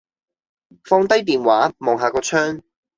放低電話，望下個窗